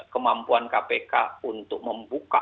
kemampuan kpk untuk mempertahankan